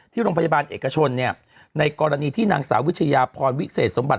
โรงพยาบาลเอกชนในกรณีที่นางสาววิชยาพรวิเศษสมบัติ